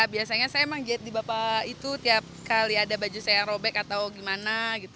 biasanya saya emang jahit di bapak itu tiap kali ada baju saya yang robek atau gimana gitu